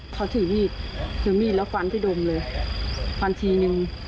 เขาถือมีดถือมีดแล้วฟันที่ดมเลยฟันทีนึง